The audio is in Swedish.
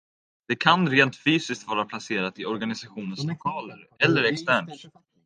Det kan rent fysiskt vara placerat i organisationens lokaler eller externt.